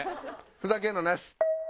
ふざけるのなし。